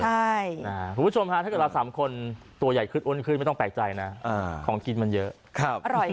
คุณผู้ชมฮะถ้าเกิดเราสามคนตัวใหญ่ขึ้นอ้วนขึ้นไม่ต้องแปลกใจนะของกินมันเยอะ